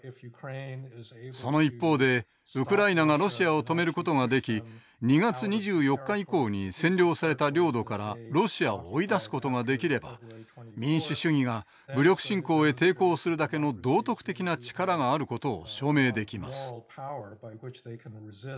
その一方でウクライナがロシアを止めることができ２月２４日以降に占領された領土からロシアを追い出すことができれば民主主義が武力侵攻へ抵抗するだけの道徳的な力があることを証明できます。